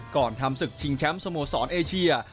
ก่อนทำศึกชิงแชมป์สโมสรเอเชีย